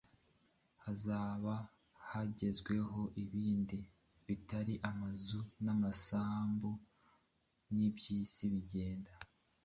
hazaba hagezweho ibindi bitari amazu n’amasambu. Iby’isi bigenda